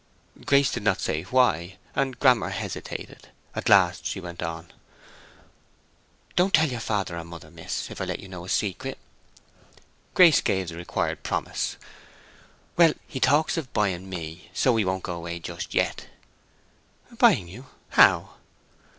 Grace did not say "Why?" and Grammer hesitated. At last she went on: "Don't tell your father or mother, miss, if I let you know a secret." Grace gave the required promise. "Well, he talks of buying me; so he won't go away just yet." "Buying you!—how?"